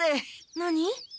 何？